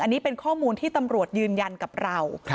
อันนี้เป็นข้อมูลที่ตำรวจยืนยันกับเรา